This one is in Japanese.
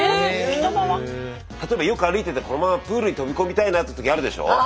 例えばよく歩いててこのままプールに飛び込みたいなってときあるでしょ。